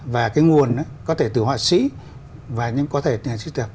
và cái nguồn có thể từ họa sĩ và có thể từ nhà sưu tập